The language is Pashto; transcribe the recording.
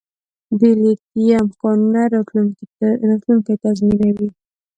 د لیتیم کانونه راتلونکی تضمینوي